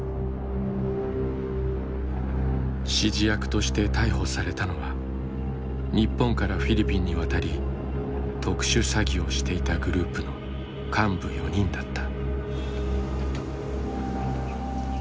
指示役として逮捕されたのは日本からフィリピンに渡り特殊詐欺をしていたグループの幹部４人だった。